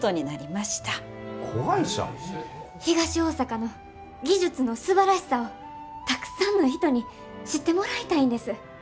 東大阪の技術のすばらしさをたくさんの人に知ってもらいたいんです。